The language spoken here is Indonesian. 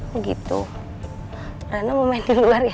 begitu rena mau main di luar ya